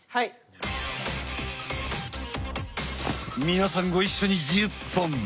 皆さんご一緒に１０本！